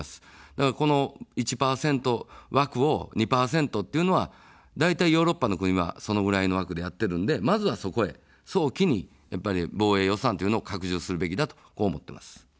だからこの１％枠を２％というのは、だいたいヨーロッパの国はそのぐらいの枠でやっているので、まずはそこへ早期に防衛予算というのを拡充するべきだと思っています。